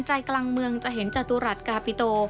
ใจกลางเมืองจะเห็นจตุรัสกาปิโต